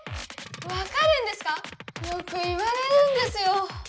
わかるんですか⁉よく言われるんですよ！